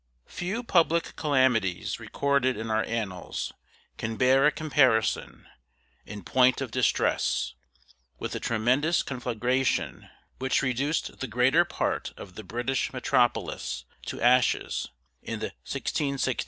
[Few public calamities recorded in our annals can bear a comparison, in point of distress, with the tremendous conflagration which reduced the greater part of the British metropolis to ashes, in the 1666.